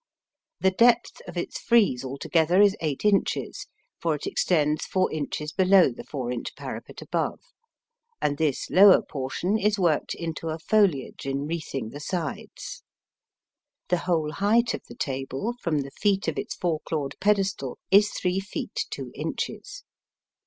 The depth of its frieze altogether is eight inches, for it extends four inches below the four inch parapet above, and this lower portion is worked into a foliage enwreathing the sides. The whole height of the table from the feet of its four clawed pedestal, is three feet two inches.